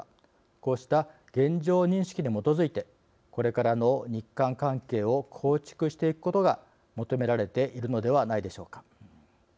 こうした現状認識に基づいてこれからの日韓関係を構築していくことが求められているのではないでしょうか。